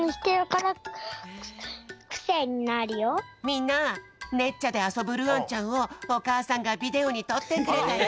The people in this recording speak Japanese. みんなねっちゃであそぶるあんちゃんをおかあさんがビデオにとってくれたよ。